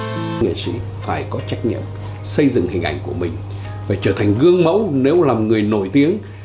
các nghệ sĩ phải có trách nhiệm xây dựng hình ảnh của mình phải trở thành gương mẫu nếu làm người nổi tiếng